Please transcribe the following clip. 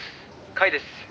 甲斐です」